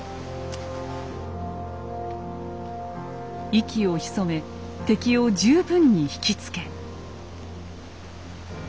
息を潜め敵を十分に引き付け。